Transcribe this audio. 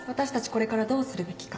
これからどうするべきか